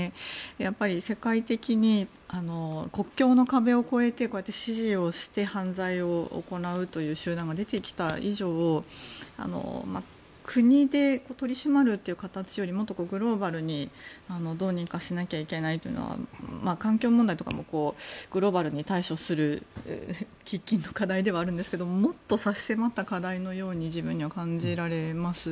やっぱり世界的に国境の壁を越えて指示をして犯罪を行うという集団が出てきた以上国で取り締まるという形よりもっとグローバルにどうにかしなきゃいけないというのは環境問題とかもグローバルに対処する喫緊の課題ではあるんですけどもっと、差し迫った課題のように自分には感じられます。